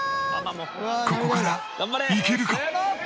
ここからいけるか？